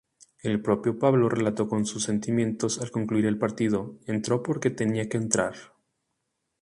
El propio Pablo relató sus sentimientos al concluir el partido:"“Entró porque tenía que entrar.